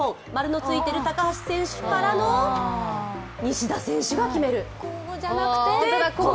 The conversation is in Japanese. ○のついている高橋選手からの、西田選手が決める。